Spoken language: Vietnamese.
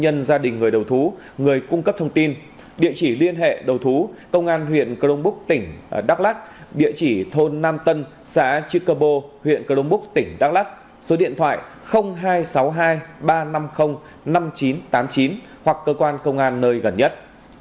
nhân gia đình người đầu thú người cung cấp thông tin địa chỉ liên hệ đầu thú công an huyện crong búc tỉnh đắk lắc địa chỉ thôn nam tân xã chư cơ bô huyện cơ đông búc tỉnh đắk lắc số điện thoại hai trăm sáu mươi hai ba trăm năm mươi năm nghìn chín trăm tám mươi chín hoặc cơ quan công an nơi gần nhất